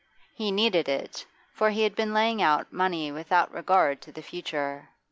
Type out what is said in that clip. He needed it, for he had been laying out money without regard to the future.